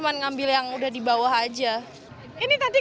seneng ini banget